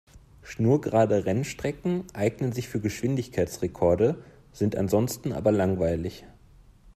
Schnurgerade Rennstrecken eignen sich für Geschwindigkeitsrekorde, sind ansonsten aber langweilig.